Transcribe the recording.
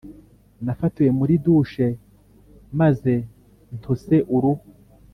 nafatiwe muri douche maze ntose uruhu.